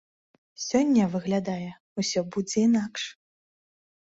Сёння, выглядае, усё будзе інакш.